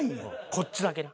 こっちだけね。